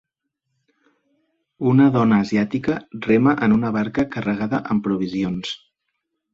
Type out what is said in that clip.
Una dona asiàtica rema en una barca carregada amb provisions